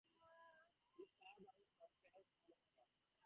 He served under Pence for a year.